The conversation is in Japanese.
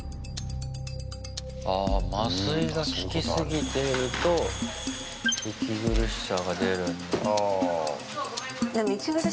ああ、麻酔が効きすぎてると息苦しさが出るんだ。